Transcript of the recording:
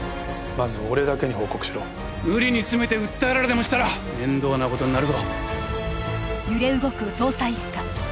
まず俺だけに報告しろ無理に詰めて訴えられでもしたら面倒なことになるぞ揺れ動く捜査一課